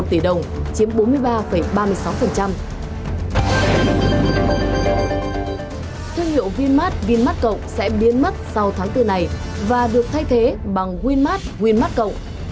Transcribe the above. thương hiệu vinmart vinmart cộng sẽ biến mất sau tháng bốn này và được thay thế bằng winmart winmart cộng